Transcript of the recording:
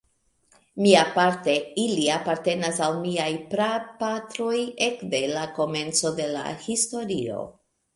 Miaparte, ili apartenas al miaj prapatroj ekde la komenco de la historio.